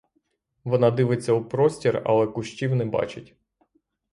Вона дивиться у простір, але кущів не бачить.